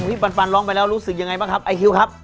ปันร้องไปแล้วรู้สึกยังไงบ้างครับไอคิวครับ